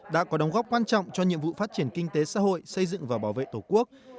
đã có đóng góp quan trọng cho nhiệm vụ phát triển kinh tế xã hội xây dựng và bảo vệ tổ quốc